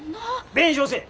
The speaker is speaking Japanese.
弁償せえ。